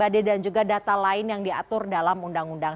dan juga data lain yang diatur dalam undang undang